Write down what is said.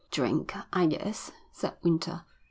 "Drink, I guess," said Winter.